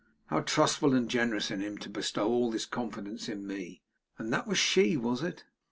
How trustful and generous in him to bestow all this confidence in me. And that was she, was it?